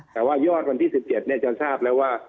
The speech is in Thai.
แต่ว่ายอดวันที่๑๗จะทราบแล้วว่า